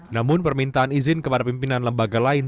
namun permintaan izin kepada pimpinan lembaga lain